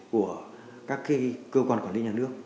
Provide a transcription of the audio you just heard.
của các cái cơ quan quản lý nhà nước